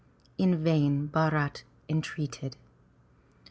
'* In vain Bharat entreated.